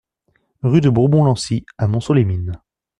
Rue de Bourbon Lancy à Montceau-les-Mines